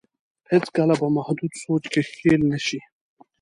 هېڅ کله په محدود سوچ کې ښکېل نه شي.